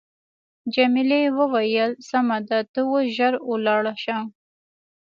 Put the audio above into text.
جميلې وويل: سمه ده ته اوس ژر ولاړ شه.